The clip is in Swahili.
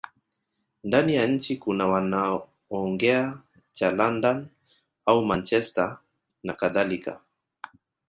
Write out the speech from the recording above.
Ndani ya nchi kuna wanaoongea cha London au Manchester nakadhalika